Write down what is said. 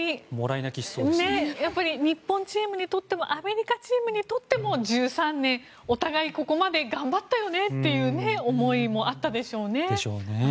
日本チームにとってもアメリカチームにとっても１３年お互いここまで頑張ったよねという思いもあったでしょうね。